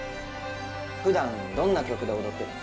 ふだんどんな曲で踊ってるの？